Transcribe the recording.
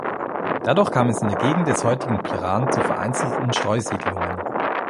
Dadurch kam es in der Gegend des heutigen Piran zu vereinzelten Streusiedlungen.